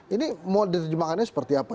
ini mau diterjemahkannya seperti apa